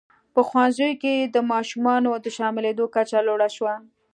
په ښوونځیو کې د ماشومانو د شاملېدو کچه لوړه شوه.